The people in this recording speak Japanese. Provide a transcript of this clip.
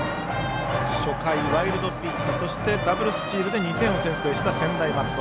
初回、ワイルドピッチそしてダブルスチールで２点を先制した専大松戸。